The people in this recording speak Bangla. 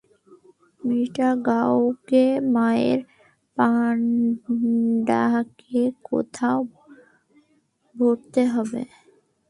মিঃ গাওকে মায়ের পান্ডাকে কোথাও ভরতে হবে।